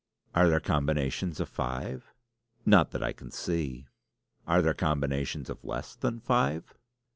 "Are there combinations of five?" "Not that I can see." "Are there combinations of less than five?"